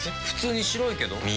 普通に白いけど。